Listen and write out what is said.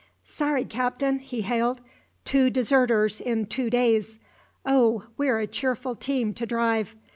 "Sorry, Captain!" he hailed. "Two deserters in two days! Oh, we're a cheerful team to drive!